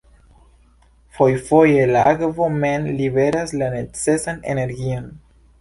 Fojfoje la akvo mem liveras la necesan energion.